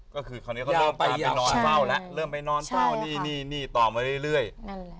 ก็คือคราวนี้เขาเริ่มตามไปนอนเฝ้าแล้วเริ่มไปนอนเฝ้านี่นี่นี่ต่อมาเรื่อยเรื่อยนั่นแหละ